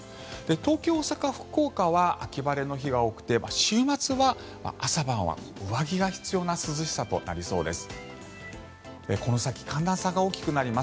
東京、大阪、福岡は秋晴れの日が多くて週末は朝晩は上着が必要な涼しさとなりそうです。